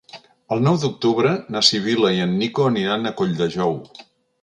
El nou d'octubre na Sibil·la i en Nico aniran a Colldejou.